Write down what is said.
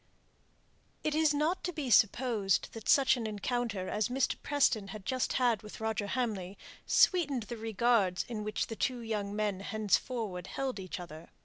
It is not to be supposed that such an encounter as Mr. Preston had just had with Roger Hamley sweetened the regards in which the two young men henceforward held each other.